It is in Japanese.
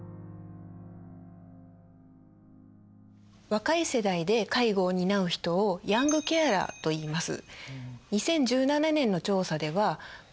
若い世代で介護を担う人をヤングケアラーといいます。